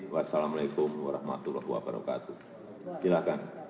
wassalamu alaikum warahmatullahi wabarakatuh